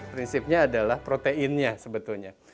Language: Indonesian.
prinsipnya adalah proteinnya sebetulnya